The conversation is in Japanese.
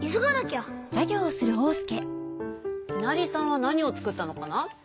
きなりさんはなにをつくったのかな？